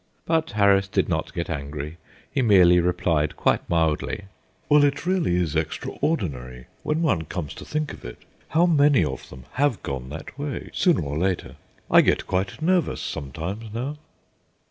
But Harris did not get angry; he merely replied, quite mildly: "Well, it really is extraordinary, when one comes to think of it, how many of them have gone that way sooner or later. I get quite nervous sometimes, now."